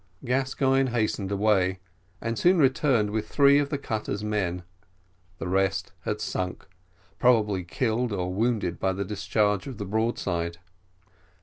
Gascoigne hastened away, and soon returned with three of the cutter's men; the rest had sunk, probably killed or wounded by the discharge of the broadside.